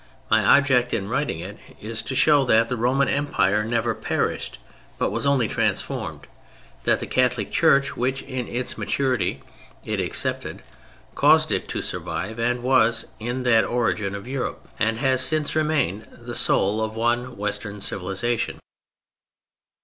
My object in writing it is to show that the Roman Empire never perished but was only transformed; that the Catholic Church, which, in its maturity, it accepted, caused it to survive and was, in that origin of Europe, and has since remained, the soul of one Western civilization.